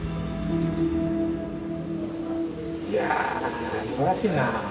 いやあすばらしいなあ。